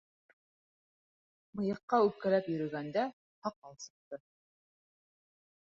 Мыйыҡка үпкәләп йөрөгәндә, һаҡал сыҡты.